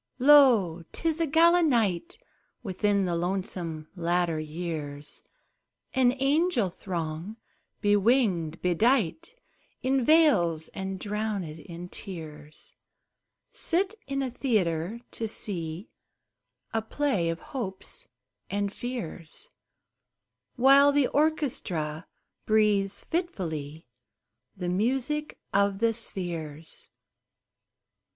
Lo! 'tis a gala night Within the lonesome latter years! An angel throng, bewinged, bedight In veils, and drowned in tears, Sit in a theatre, to see A play of hopes and fears, While the orchestra breathes fitfully The music of the spheres.